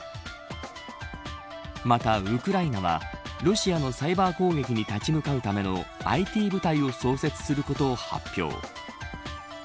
また、ウクライナはロシアのサイバー攻撃に立ち向かうためのＩＴ部隊を創設することを発表。